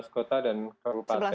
sebelas kota dan kabupaten